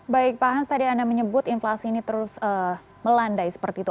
baik pak has tadi anda menyebut inflasi ini terus melandai seperti itu